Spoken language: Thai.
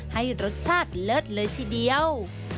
ให้รสชาติเลิศเลยทีเดียว